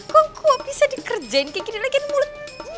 kok gue bisa dikerjain kayak gini lagiin mulut